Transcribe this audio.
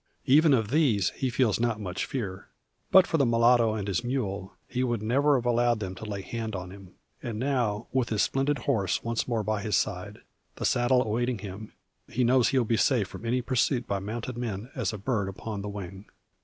Even of these he feels not much fear. But for the mulatto and his mule, he would never have allowed them to lay hand on him. And now with his splendid horse once more by his side, the saddle awaiting him, he knows he will be safe from any pursuit by mounted men, as a bird upon the wing.